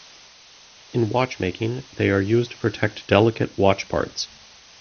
In watchmaking they are used to protect delicate watch parts.